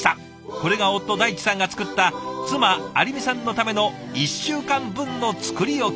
これが夫大地さんが作った妻有美さんのための１週間分の作り置き。